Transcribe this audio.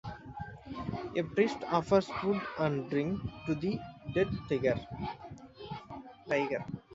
A priest offers food and drink to the dead tiger.